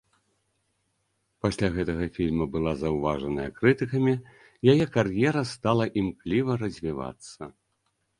Пасля гэтага фільма была заўважаная крытыкамі, яе кар'ера стала імкліва развівацца.